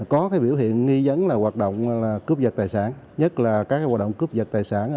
có biểu hiện nghi dấn là hoạt động cướp giật tài sản nhất là các hoạt động cướp giật tài sản